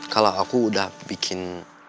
kalau aku udah bikin